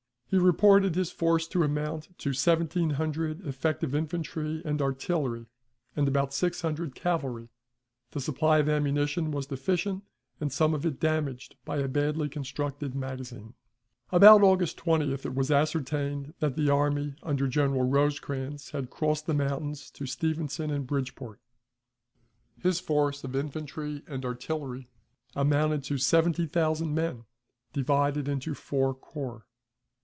He reported his force to amount to seventeen hundred effective infantry and artillery, and about six hundred cavalry; the supply of ammunition was deficient, and some of it damaged by a badly constructed magazine. About August 20th it was ascertained that the army under General Rosecrans had crossed the mountains to Stevenson and Bridgeport. His force of infantry and artillery amounted to seventy thousand men, divided into four corps.